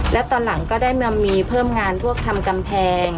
แล้วตอนหลังก็ได้มามีเพิ่มงานพวกทำกำแพง